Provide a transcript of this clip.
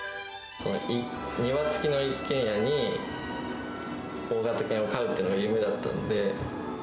庭付きに一軒家に、大型犬を飼うっていうのが夢だったので。